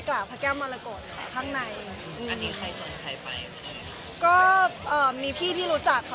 ก็ชวนค่ะคือจริงแล้วมันมีอะไรดีก็ชวนกันค่ะ